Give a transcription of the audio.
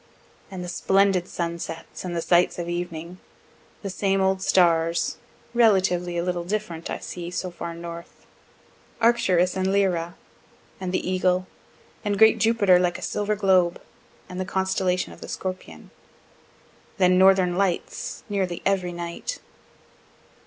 And the splendid sunsets, and the sights of evening the same old stars, (relatively a little different, I see, so far north) Arcturus and Lyra, and the Eagle, and great Jupiter like a silver globe, and the constellation of the Scorpion. Then northern lights nearly every night.